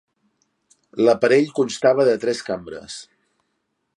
L'aparell constava de tres cambres.